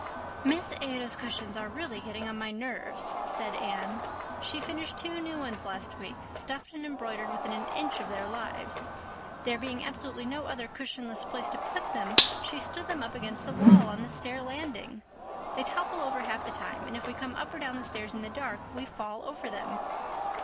"Miss Ada's cushions are really getting on my nerves," said Anne. "She finished two new ones last week, stuffed and embroidered within an inch of their lives. There being absolutely no other cushionless place to put them she stood them up against the wall on the stair landing. They topple over half the time and if we come up or down the stairs in the dark we fall over them.